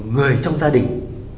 người trong gia đình